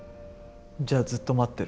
じゃあずっと待ってる。